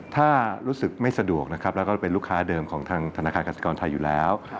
ถ้ารู้สึกไม่สะดวกนะครับแล้วก็เป็นลูกค้าเดิมของทางธนาคารกสิกรไทยอยู่แล้ว